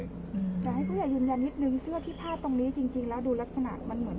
แล้วให้กูอย่ายืนยันนิดนึงเสื้อที่ผ้าตรงนี้จริงจริงแล้วดูลักษณะมันเหมือน